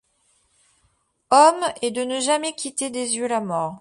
Homme, et de ne jamais quitter des yeux la mort